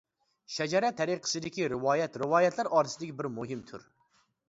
شەجەرە تەرىقىسىدىكى رىۋايەت رىۋايەتلەر ئارىسىدىكى بىر مۇھىم تۈر.